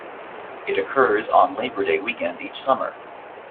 It occurs on Labor Day weekend each summer.